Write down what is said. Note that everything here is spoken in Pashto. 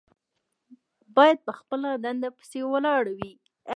باید په خپله دنده پسې ولاړ وي.